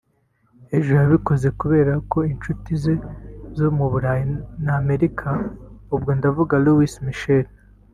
Ejo yabikoze kubera ko inshuti ze zo mu burayi n’Amerika (ubwo ndavuga Louis Michel